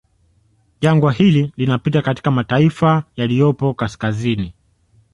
Jangwa hili linapita katika mataifa yaliyopo kaskazini